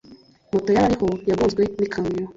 Moto yari ariho yagonzwe n’ikamyo